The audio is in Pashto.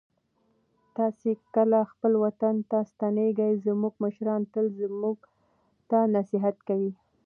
تاسې کله خپل وطن ته ستنېږئ؟ زموږ مشران تل موږ ته نصیحت کوي.